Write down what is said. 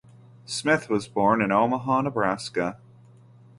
Smith was born in Omaha, Nebraska.